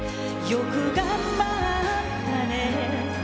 「よく頑張ったね」